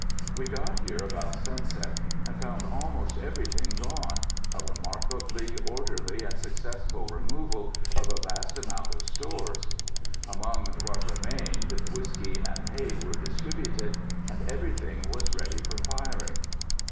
We got here about sunset, and found almost everything gone,—a remarkably orderly and successful removal of a vast amount of stores. Among what remained, whiskey and hay were distributed, and everything was ready for firing.